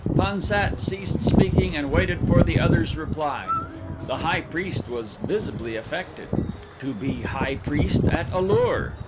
Pan sat ceased speaking and waited for the other's reply. The high priest was visibly affected. To be high priest at A lur!